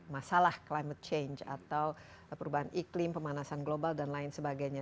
masalah climate change atau perubahan iklim pemanasan global dan lain sebagainya